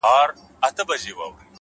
ریښتینی ځواک د ځان کنټرول دی؛